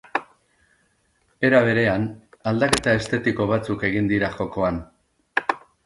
Era berean, aldaketa estetiko batzuk egin dira jokoan.